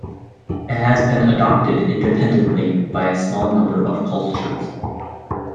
It has been adopted independently by a small number of cultures.